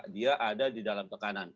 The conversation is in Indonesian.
dia ada di dalam tekanan